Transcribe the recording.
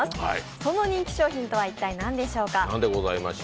その人気商品とは一体何でしょうか？